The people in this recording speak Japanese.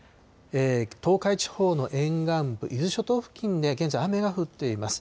東海地方の沿岸部、伊豆諸島付近で現在、雨が降っています。